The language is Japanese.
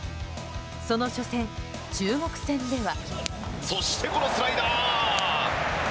その初戦、中国戦では。